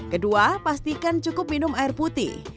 kedua pastikan cukup minum air putih